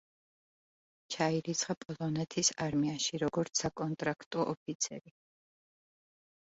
ჩაირიცხა პოლონეთის არმიაში, როგორც საკონტრაქტო ოფიცერი.